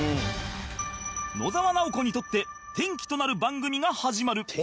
野沢直子にとって転機となる番組が始まる